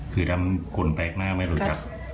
คือถ้ามันกลมแปลกมากไม่รู้จัก